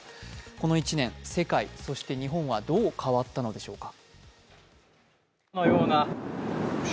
この１年、世界、そして日本はどう変わったのでしょうか。